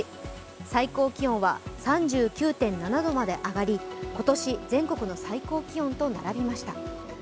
最高気温は３９．７度まで上がり、今年、全国の最高気温と並びました。